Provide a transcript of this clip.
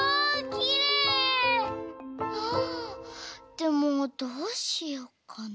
でもどうしようかな。